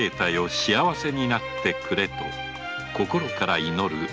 幸せになってくれと心から祈る吉宗であった